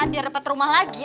biar dapat rumah lagi